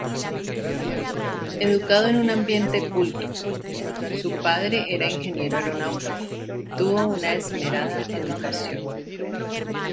Educado en un ambiente culto -su padre era ingeniero aeronáutico- tuvo una esmerada educación.